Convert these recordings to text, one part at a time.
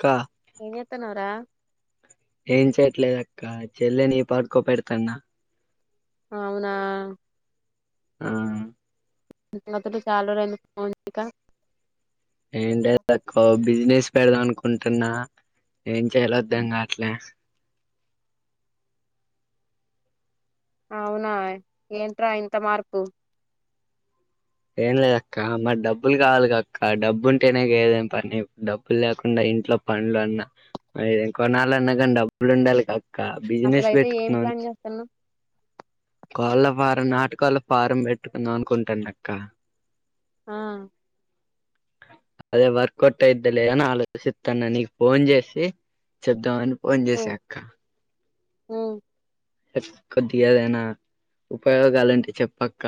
క్క ఏం చేత్తనవ్ రా ఏం చేయట్లేదు అక్క చెల్లెని పడుకో పెడతన్న అవునా ఆ అతడు చాల రోలు అయింది ఫోన్ చేయక ఎం లేదు అక్క బిజినెస్ పెడదాం అనుకుంటున్నా ఏం చేయరో అర్ధం గాట్లే అవునా ఏంట్రా ఇంత మార్పు ఏం లేదక్క మరి డబ్బులు కావాలి అక్క డబ్బు ఉంటేనే ఏదైన పని డబ్బులు లేకుండా ఇంట్లో పండ్లు అన్న ఏం కొనాలన్నా గానీ డబ్బులు ఉండాలి గా బిజినెస్ అసలయితే ఏం పెట్టుకున్నాం ప్లాన్ చేస్తున్నావ్ కోళ్ళ ఫారం నాటు కోళ్ళ ఫారం పెట్టుకుందాం అనుకుంటనక్క ఆ అదే వర్క్ ఒట్ అయిద్దలే అని ఆలోచిత్తన నీకు ఫోన్ జేసి చెప్దామని ఫోన్ జేసా అక్క హ్మ్ కొద్దిగాదైనా ఉపయోగాలుంటే చెప్పక్క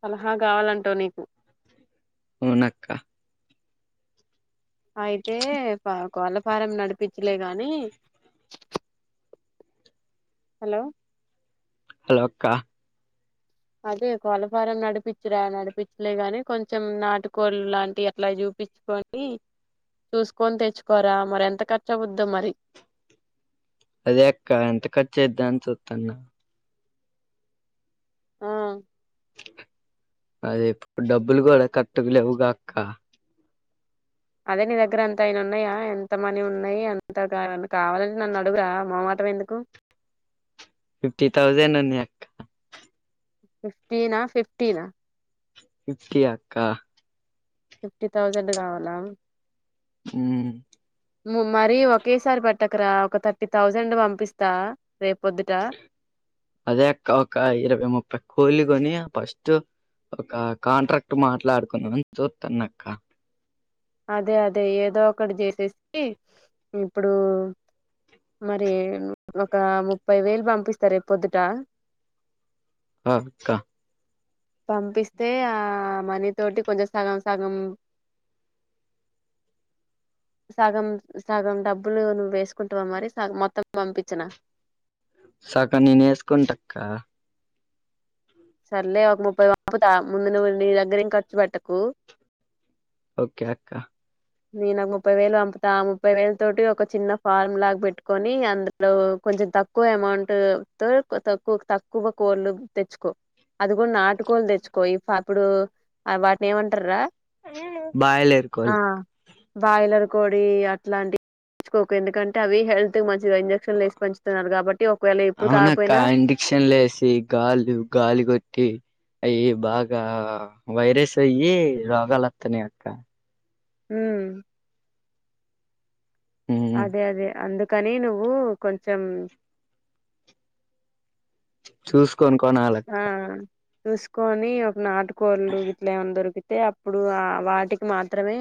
సలహా కావాలంటవ్ నీకు అవునక్క అయితే కోళ్ళ ఫారం నడిపించులే గాని హలో హలో అక్క అదే కోలఫారం నడిపించురా నడిపించులే గాని కొంచెం నాటుకోళ్ళు లాంటి అట్లా చూ చుప్పించుకొని చూసుకొని తెచ్చుకోరా మరి ఎంత ఖర్చు అవుద్దో మరి అదే అక్క ఎంత ఖర్చ అయిద్ధ అని చూత్తన ఆ అదేప్పుడు డబ్బులు గూడా కట్టగాలేవుగ అక్క అదే నీ దగ్గర ఎంత అయినా ఉన్నాయా ఎంత మనీ ఉన్నాయి అంతగ ఏవన్న కావాలంటే నన్ను అడుగురా మో తువ ఎందుకు ఫిఫ్టీ థౌజంన్ ఉన్నాయ్ అక్క ఫిఫ్టీన్ ఆ ఫిప్టిన ఫిప్టి అక్క ఫిఫ్టీ థౌజండ్ కావాల మ్మ్ మరీ ఒకేసారి పెట్టకురా ఒక థర్టీ థౌజండ్ పంపిస్తా రేపొద్దుట అదే అక్క అక్క ఇరవై ముప్పై కోళ్ళు గొని ఫస్ట్ ఒక కాంట్రాక్ట్ మాట్లాడుకున్నదం అని చూత్తన్న అక్క అదే అదే ఏదో ఒకటి జేసేసి ఇప్పుడు మరి ఒక ముప్పై వేలు పంపిస్తా రేపొద్దుట హ అక్క పంపిస్తే ఆ మనీ తోటి కొంచెం సగం సగం సగం సగం డబ్బులు నువ్వు వేసుకుంటావ మరి మొత్తం పంపించనా సకాన నే వేసుకుంటక్క సర్లే ఒక ముప్పై వంపుత ముందు ను నీ దగ్గరం ఖర్చు పెట్టకు ఓకే అక్క నే ఓ ముప్పై వేలు పంపుతా ఆ ముప్పై వేలు తోటి ఒక చిన్న ఫార్మ్ లాగా పెట్టుకని అందులో కొంచెం తక్కువ అమౌంట్ తో తక్కువ తక్కువ కోళ్ళు తెచ్చుకో అది కూడా నాటుకోలు తెచ్చుకో అప్పుడు వాటిని ఏమంటార రా బాయిలర్ కోళ్లుక్క బాయిలర్ కోడి అట్లాంటివి తెచ్చుకోకు ఎందుకంటే అవి హెల్త్ మంచి ఇంజక్షన్లు వేసి పెంచుతున్నారు కాబట్టి ఒకవేళ ఎప్పుడు అవునక్క కాకపోయినా కొటి అయ్యి బాగా వైరస్ అయ్యి రోగాలుత్తానా అక్క ఉమ్ ఉమ్, అదే అదే అందుకని నువ్వు కొంచెం చూసుకొను ఆ కొనాలక్క చూసుకొని ఒక నాటుకోళ్ళు ఇట్లా ఏమన్నా దొరికి తే అప్పుడు ఆ వాటికి మాత్రమే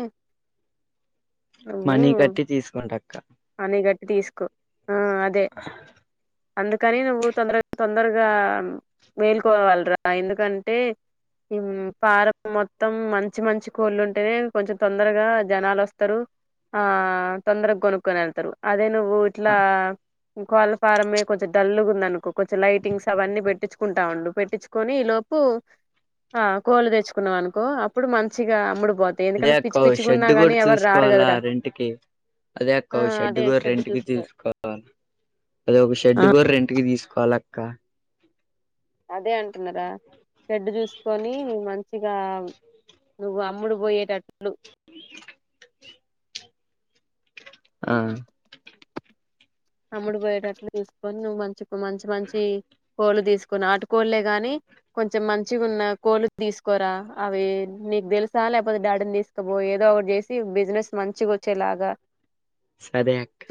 మనీ కట్టి తీసుకుంటక్క మని గట్టి తీసుకో ఆ అదే అందుకని నువ్వు తొందరగా తొందర తొందరగా వేలుకోవాలరా ఎందుకంటే ఫారం మొత్తం మంచి మంచి కోళ్ళు ఉంటేనే కొంచెం తొందరగా జనాలు వస్తారు. ఆ తొందరగా కొనుక్కొని వెళ్తారు అదే నువ్వు ఇట్లా కోళ్ళ ఫారమే కొంచెం డల్లుగా ఉంది అనుకో కొంచెం లైటింగ్స్ అవన్న పెట్టిచుకుంటా ఉండు పెట్టించుకొని ఇ లోపు ఆ కోళ్లు తెచ్చుకున్నావు అనుకో అప్పుడు మంచిగా అమ్ముడు పోతాయి అదే ఎందుకంటే పిచ్చి అక్క పిచ్చిగున్నా షెడ్ గాని కూడా ఎవరు రారు చూసుకోవాలా కదరా రెంట్కి అదే ఆ షెడ్ అదే కూడా రెంట్ కి చూసుకో తీసుకోవాలి అద ఒక షెడ్ కూడా రెంట్ కి తీసుకోవాలక్క అదే అంటున్నారా షేడ్డు చూసుకొని మంచిగా నువ్వు అమ్ముడు పోయేటట్లు ఆ అమ్ముడు పోయేటట్లు తీసుకొని నువ్వు మంచి మంచి మంచి కోళ్ళు తీసుకుని నాటుకోళ్లే గాని కొంచెం మంచిగా ఉన్న కోళ్లు తీసుకోరా అవి నీకు తెలుసా లేకపోతే డాడీని తీసుకపోయి ఏదో ఒకటి చేసి బిజినెస్ మంచిగా వచ్చేలాగా సరే అక్క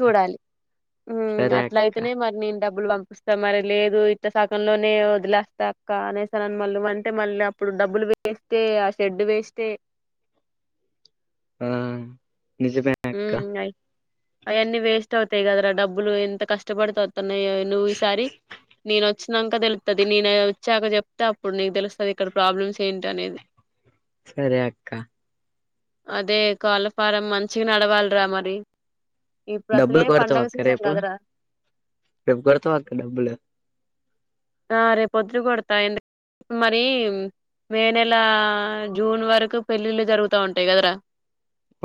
ఉ సరే అక్క అట్ల అయితేనే మరి నేను డబ్బులు పంపిస్తా మరి లేదు ఇట్ట శాకంలోనే వదిలేస్తా అక్క అనేస్తానని మళ్ళు అంటే మళ్ళీ ఇప్పుడు డబ్బులు వేస్ట్ ఎ ఆ షెడ్ వేస్ట్ ఎ ఆ నిజమే అక్క ఉమ్ అయి అవన్నీ వేస్ట్ అవుతాయి కదరా డబ్బులు ఎంత కష్టపడుతా న్నా నువ్వు ఈసారి నేను వచ్చినాక తెలుతుంది నేన వచ్చాక చె అస్తే అప్పుడు నీకు తెలుస్తది ఇక్కడ ప్రాబ్లమ్స్ ఏంటి అనేది సరే అక్క అదే కోళ్ళఫారం మంచిగా నడవాలరా మరి ఇప్పుడు అసలే పండగ సీజన్ కాదురా ఎప్పుడు గడుతవు అక్క డబ్బులు ఆ రేపుద్దులు కొడతా ఎందుక మరి మే నెల జూన్ వరకు పెళ్లిళ్లు జరుగుతా ఉంటాయి కదరా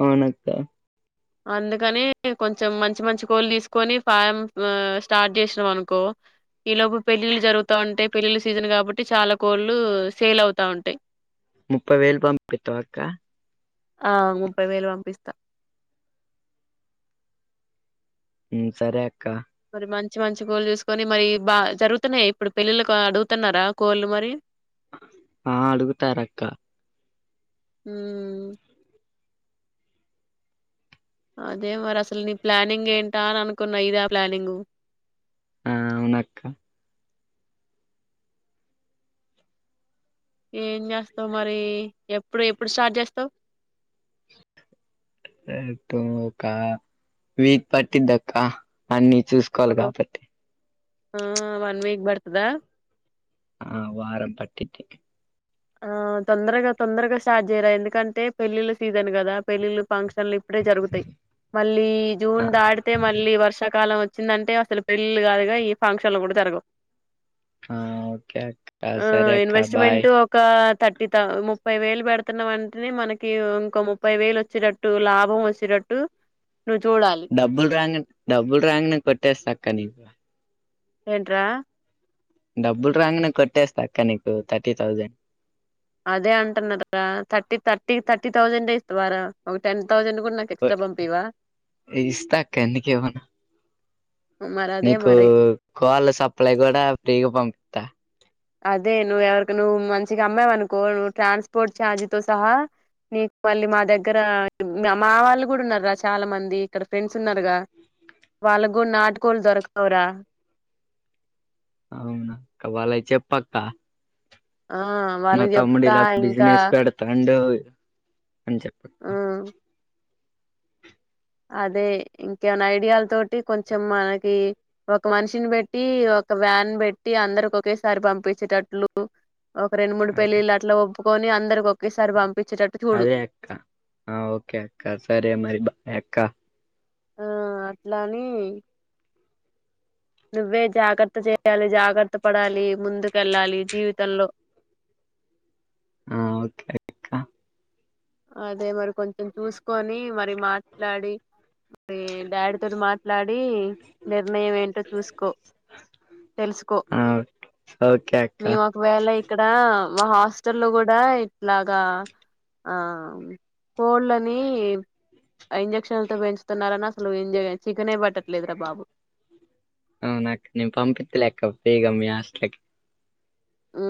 అవునక్కా అందుకని కొంచెం మంచి మంచి కోళ్ళు తీసుకొని ఫా స్టార్ట్ చేసినం అనుకో ఈ లోపు పెళ్ళిళ్ళు జరుగుతా ఉంటాయి పెళ్ళిళ్ళ సీజన్ కాబట్టి చాలా కోళ్లు సేల్ అవుతా ఉంటాయి ముప్పై వేలు పంపితవ అక్క ఆ ముప్పై వేలు పంపిస్తా ఉ సరే అక్క మరి మంచి మంచి కోళ్ళు చూసుకొని మరి బా జరుగుతున్నాయి ఇప్పుడు పెళ్ళిళకి అడుగుతున్నారా కోళ్ళు మరి ఆ అడుగుతారు అక్క హ్మ్మ్ అదే మరి అసలు నీ ప్లానింగ్ ఏంటా అని అనుకున్నా ఇదా ప్లానింగ్ ఆ అవునక్క ఏం చేస్తావు్ మరి ఎప్పుడు ఎప్పుడు స్టార్ట్ చేస్తావు్ ఒక వీక్ పట్టుది అక్క అన్ని చూసుకోవాలి ఒక కాబట్టి ఆ వన్ వీక్ బడుతదా ఆ వారం పట్టిది ఆ తొందరగా తొందరగా స్టార్ట్ చేయిరా ఎందుకంటే పెళ్ళిళ్ళ సీజన్ కదా పెళ్ళిళ్ళ ఫంక్షన్లు ఇప్పుడే జరుగుతాయి మళ్ళీ ఆ జూన్ దాడితే మళ్ళీ వర్షకాలం వ వచ్చిందంటే అసలు పెళ్లిలు కాదు గద ఈ ఫంక్షన్లు కూడా జరగవు ఓకే అక్క సరే అక్క బాయ్ తట్టిత ముప్పై వేలు పెడుతున్నా వంటెనే మనకి ఇంకో ముప్పై వేలు వచ్చేటట్టు లాభం సిరటు డబుల్ రంగ డబుల్ రంగనే కొట్టేస్త అక్క నీకు ఏంట్రా డబ్బుల్ రాంగ్ న కొట్టేస్త అక్క నీకు థర్టీ థౌజండ్ అదే అంటున్నారు థర్టీ థర్టీ థర్టీ థౌజండ్ే ఇస్తు వారా ఒక టెన్ థౌసండ్ కూడా నాకు ఎక్స్ట్రా పంపివా ఇస్తా అక్క ఎందుకేమన్నా మరి అదే నీకు మరి కోళ్ళ సప్లై కూడా ఫ్రీగా పంపిస్తా అదే నువ్వుెవరికి నువ్వు మంచిగా అమ్మవ అనుకో నువ్వు ట్రాన్స్పోర్ట్ ఛార్జ్తో సహా నీకు మళ్ళీ మా దగ్గర మా వాళ్ళు కూడా ఉన్నారు రా చాలా మంది ఇక్కడ ఫ్రెండ్స్ ఉన్నారుగా వాళ్ళకు కూడా నాటుకోలు దొరకవురా అవునాక వాళ్ళకు చెప్పక్క ఆ మ వాళ్ళకి చెప్తా తమ్ముడిలా ఇంకా బిజినెస్ పెడుతుండు అ చెప్ప ఆ అదే ఇంకేమనా ఐడియాల తోటి కొంచెం మనకి ఒక మనిషిని బట్టి ఒక వ్యాన్ పెట్టి అందరికి ఒకేసారి పంపించేటట్లు ఒక రెండు మూడు పెల్లిళ్ళు అట్లా ఒప్పుకొనిందరికి ఒకేసారి పంపి అదే అక్క ఓకే అక్క సరే మరి బా అక్క ఆ అట్లాని నువ్వే జాగ్రత్త చేయాలి జాగ్రత్త పడాలి ముందుకెళ్ళాలి జీవితంలో [unintelligible] ఆ ఓకే అక్క అదే మరి కొంచెం చూసుకొని మరి మాట్లాడి డాడీ తోడు మాట్లాడి నిర్ణయం ఏంటో చూసుకో తెలుసుకో ఆ ఓకే అక్క మేము ఒకవేళ ఇక్కడ మా హాస్టల్ లో కూడా ఇట్లాగా ఆ కోళ్ళని ఇంజెక్షన్లతో పెంచుతున్నారని అసలు ఇం చికెన్ పట్టట్లేదురా బాబు అవునక్క నేను పంపితలే మీ హాస్టల్ కి ఉ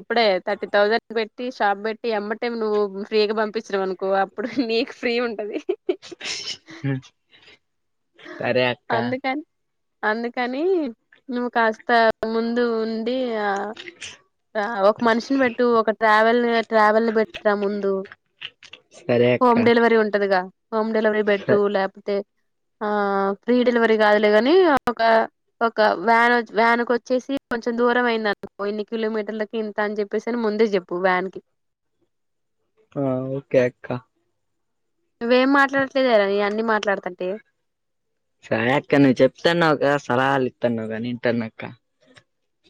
ఇప్పుడే థర్టీ థౌజండ్ పెట్టి షాప్ పెట్టి ఎ మ్మటే నువ్వు ఫ్రీగా పంపించినవు అనుకో అప్పుడు నీకు ఫ్రీ ఉంటది సరే అక్క అందుకని అందుకని నువ్వు కాస్త ముందు ఉండి ఆ ఒక మనిషిని పెట్టు ఒక ట్రావెల్ ట్రావెల్ పెట్ట్రా ముందు సరే అక్క హోమ్ డెలివరీ ఉంటదిగా హోమ్ డెలివరీ స బెడ్డు లేపోతే ఆ ఫ్రీ డెలివరీ కాదులేగాని ఒక ఒక వ్యాన్ వ్యాన్ కి వచ్చేసి కొంచెం కొంచెం దూరం అయింది అనుకో ఎన్ని కిలోమీటర్లకి ఇంత అని చెప్పేసి అని ముందే చెప్పు వ్యాన్ కి ఆ ఓకే అక్క నువ్వేం మాట్లాడట్లేదురా నే అన్ని మాట్లాడతంటే సరే అక్క నువ్వు చెప్తాన్నావుక సలహాలు ఇత్త న్నావవు గా ని వింటాన అక్క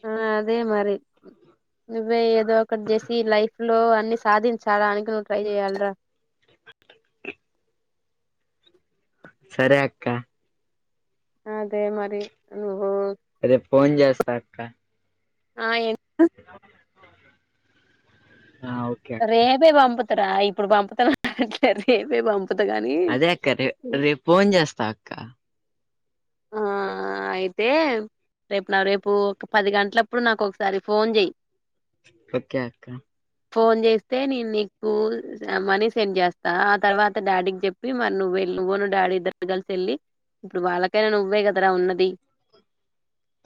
ఆ అదే మరి నువ్వే ఏదో ఒకటి చేసి లైఫ్ లో అన్ని సాధించాలానికి నువ్వు ట్రై చెయ్యాలరా సరే అక్క అదే మరి నువ్ అదే ఫోన్ చేస్తా అక్క ఆ ఎమ్ ఆ ఓకే అక్క రేపే పంపుతరా ఇప్పుడు పంపుతనా అ రేపే పంపు అదే అక్క రే రేపు ఫోన్ చేస్తా అక్క ఆ ఆ అయితే రేపు నా రేపు ఒక పది గంటలప్పుడు నాకు ఒకసారి ఫోన్ చెయ్ ఓకే అక్క ఫోన్ చేస్తే నేను నీకు మనీ సెండ్ చేస్తా ఆ తర్వాత డాడీకి చెప్పి మరి నువ్వే నువ్వునూ డాడీ ఇద్దరు కలిసి వెళ్లి ఇప్పుడు వాళ్ళకైనా నువ్వే కదరా ఉన్నది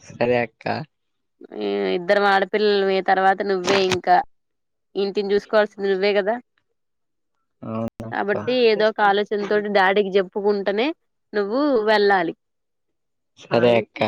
సరే అక్క ఉమ్ ఇద్దరము ఆడపిల్లలము తర్వాత నువ్వే ఇంకా ఇంటిని చూసుకోవాల్సింది నువ్వే కదా అవునక్క కాబట్టి ఏదో ఒక ఆలోచన తోటి డాడీకి చెప్పుకుంటనే నువ్వు వెళ్ళాలి సరే అక్క